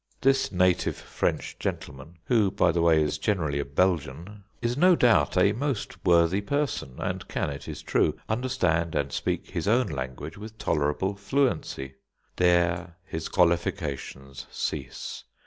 This native French gentleman, who, by the by, is generally a Belgian, is no doubt a most worthy person, and can, it is true, understand and speak his own language with tolerable fluency. There his qualifications cease.